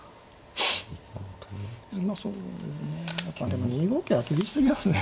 でも２五桂はきびしすぎますね。